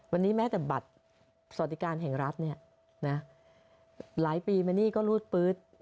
วันนี้แม้แต่บัตรสวัสดิการแห่งรัฐเนี่ยนะหลายปีมานี่ก็รูดปื๊ด